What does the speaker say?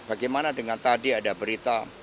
bagaimana dengan tadi ada berita